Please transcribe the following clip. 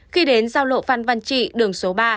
khi đến giao lộ phan văn trị đường số ba